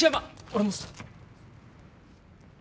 俺も。